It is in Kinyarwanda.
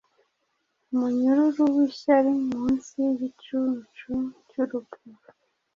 umunyururu wishyari Munsi y’igicucu cyurupfu